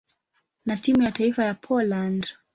na timu ya taifa ya Poland.